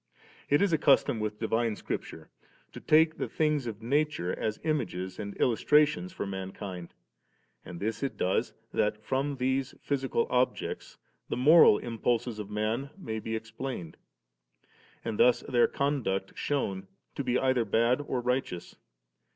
It is a custom 4 with divine Scripture to take the things of nature as images and illustrations for mankind; and this it does, that from these physical objects the moral impulses of man may be explained; and thus their conduct shewn to be either bad or righteous.